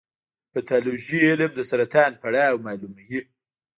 د پیتالوژي علم د سرطان پړاو معلوموي.